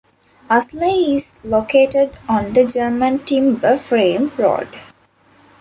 Uslar is located on the German Timber-Frame Road.